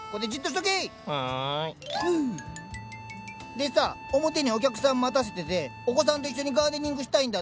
でさ表にお客さん待たせててお子さんと一緒にガーデニングしたいんだって。